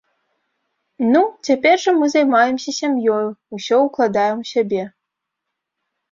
Ну, цяпер жа мы займаемся сям'ёю, усё ўкладаем у сябе.